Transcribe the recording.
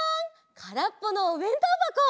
からっぽのおべんとうばこ！